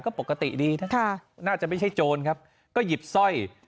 ก็ปกติดีนะน่าจะไม่ใช่โจรครับก็หยิบสร้อย